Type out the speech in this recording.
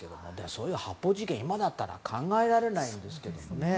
そういう発砲事件、今だったら考えられないですけどね。